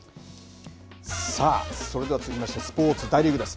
続きましてスポーツ、大リーグです。